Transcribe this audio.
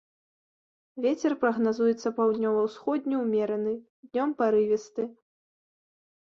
Вецер прагназуецца паўднёва-ўсходні ўмераны, днём парывісты.